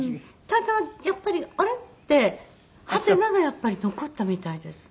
ただやっぱりあれ？ってハテナがやっぱり残ったみたいです。